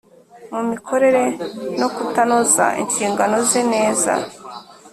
mumikorere no kutanoza inshingano ze neza .